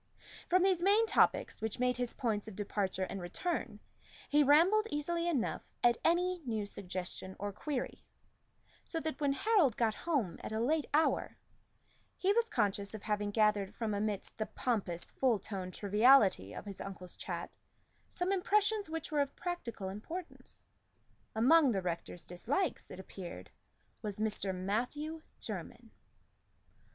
From these main topics, which made his points of departure and return, he rambled easily enough at any new suggestion or query; so that when Harold got home at a late hour, he was conscious of having gathered from amidst the pompous full toned triviality of his uncle's chat some impressions, which were of practical importance. Among the rector's dislikes, it appeared, was Mr. Matthew Jermyn.